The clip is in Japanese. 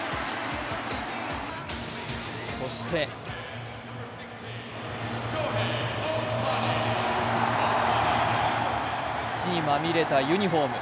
そして土にまみれたユニフォーム